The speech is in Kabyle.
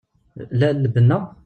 La lbenna?